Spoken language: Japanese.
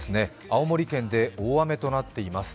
青森県で大雨となっています。